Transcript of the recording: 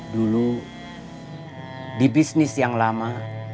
dulu di bisnis yang lama